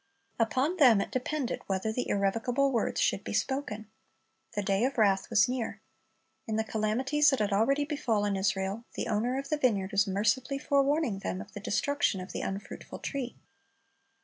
Upon them it depended whether the irrevocable words should be spoken. The day of wrath was near. In the calamities that had already befallen Israel, the owner of the vineyard was mercifully forewarning them of the destruction of the unfruitful tree.